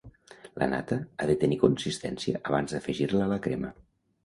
La nata ha de tenir consistència abans d'afegir-la a la crema.